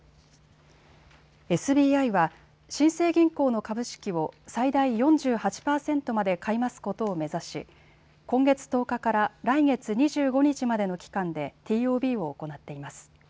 ＳＢＩは新生銀行の株式を最大４８％まで買い増すことを目指し、今月１０日から来月２５日までの期間でＴＯＢを行っています。